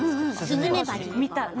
スズメバチ。